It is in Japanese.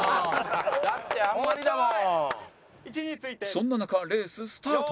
そんな中レーススタート！